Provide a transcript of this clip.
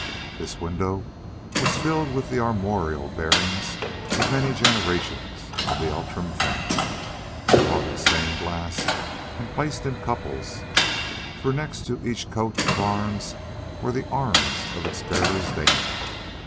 This window was filled with the armorial bearings of many generations of the Outram family, wrought in stained glass and placed in couples, for next to each coat of arms were the arms of its bearer's dame.